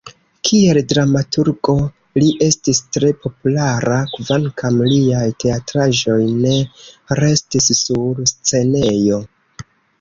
Kiel dramaturgo li estis tre populara, kvankam liaj teatraĵoj ne restis sur scenejo.